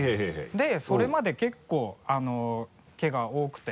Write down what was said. でそれまで結構毛が多くて。